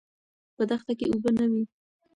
په دښته کې اوبه نه وې.